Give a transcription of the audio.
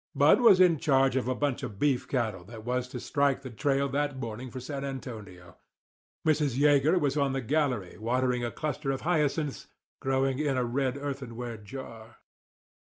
Bud was in charge of the bunch of beef cattle that was to strike the trail that morning for San Antonio. Mrs. Yeager was on the gallery watering a cluster of hyacinths growing in a red earthenware jar.